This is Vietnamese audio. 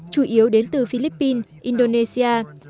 chủ yếu đến từ philippines indonesia